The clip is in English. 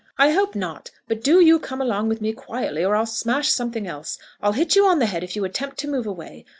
"I hope not; but do you come along with me quietly, or I'll smash something else. I'll hit you on the head if you attempt to move away.